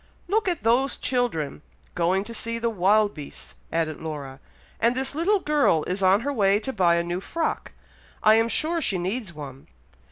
"Look at those children, going to see the wild beasts," added Laura, "and this little girl is on her way to buy a new frock. I am sure she needs one!